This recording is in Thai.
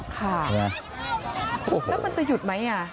ค่ะแล้วมันจะหยุดไหม